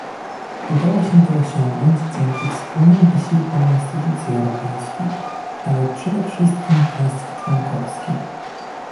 Udało się to osiągnąć dzięki wspólnym wysiłkom instytucji europejskich, ale przede wszystkim państw członkowskich